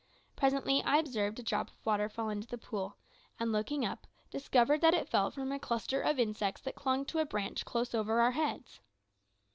Presently I observed a drop of water fall into the pool, and looking up, discovered that it fell from a cluster of insects that clung to a branch close over our heads.